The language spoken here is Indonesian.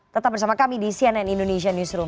tetap bersama kami di cnn indonesia newsroom